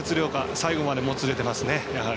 最後までもつれてますね。